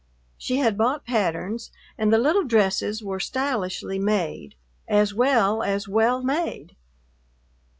She had bought patterns and the little dresses were stylishly made, as well as well made.